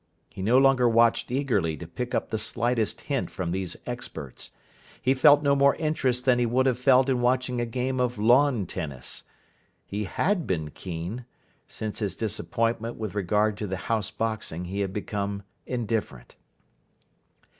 He no longer watched eagerly to pick up the slightest hint from these experts. He felt no more interest than he would have felt in watching a game of lawn tennis. He had been keen. Since his disappointment with regard to the House Boxing he had become indifferent.